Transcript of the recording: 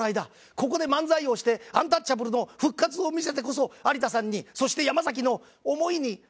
ここで漫才をしてアンタッチャブルの復活を見せてこそ有田さんにそして山崎の思いに返せるんだ！